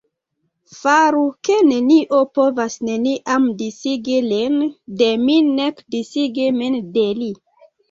Faru ke nenio povas neniam disigi lin de mi nek disigi min de li”.